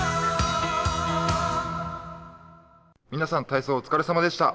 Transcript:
皆さん、体操お疲れさまでした。